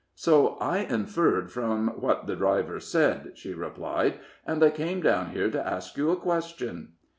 "So I inferred from what the driver said," she replied, "and I came down here to ask you a question."